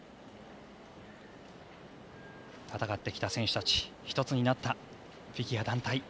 戦ってきた選手たち１つになったフィギュア団体。